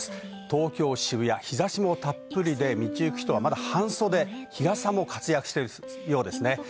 東京・渋谷、日差しもたっぷりで、道行く人はまだ半袖、日傘も活躍しているようです。